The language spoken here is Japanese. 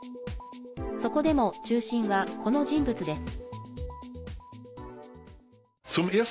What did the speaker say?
そこでも中心は、この人物です。